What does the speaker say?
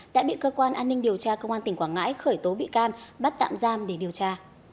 đã bị cơ quan an ninh điều tra công an tỉnh quảng ngãi khởi tố bị can bắt tạm giam để điều tra